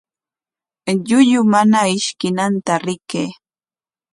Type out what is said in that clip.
Llullu mana ishkinanta rikay.